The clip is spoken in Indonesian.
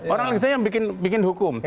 orang kita yang bikin hukum